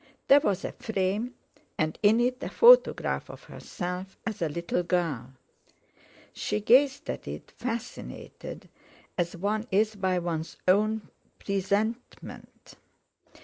There was a frame and in it a photograph of herself as a little girl. She gazed at it, fascinated, as one is by one's own presentment.